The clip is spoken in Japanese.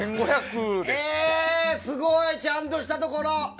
すごい！ちゃんとしたところ。